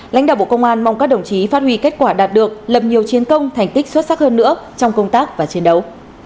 lãnh đạo bộ công an mong các đồng chí phát huy kết quả đạt được lập nhiều chiến công thành tích xuất sắc hơn nữa trong công tác và chiến đấu